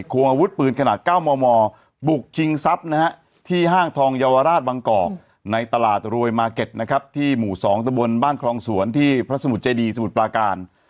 วงอาวุธปืนขนาด๙มมบุกชิงทรัพย์นะฮะที่ห้างทองเยาวราชวังกอกในตลาดรวยมาร์เก็ตนะครับที่หมู่๒ตะบนบ้านคลองสวนที่พระสมุทรเจดีสมุทรปลาการ